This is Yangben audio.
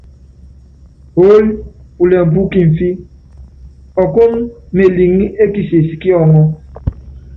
Oól pulɛŋ pú kimfi, ɔkɔ́n meliŋí é kises kí ɔŋɔ́.